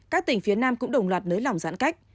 các tỉnh phía nam cũng đồng loạt nới lỏng giãn cách